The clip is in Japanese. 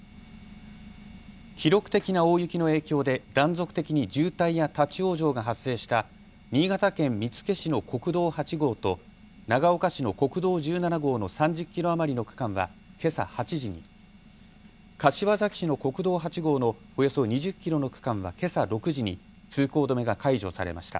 記録的な大雪の影響で断続的に渋滞や立往生が発生した新潟県見附市の国道８号と長岡市の国道１７号の３０キロ余りの区間はけさ８時に、柏崎市の国道８号のおよそ２０キロの区間はけさ６時に通行止めが解除されました。